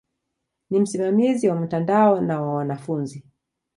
Ni msimamizi wa mtandao na wa wanafunzi.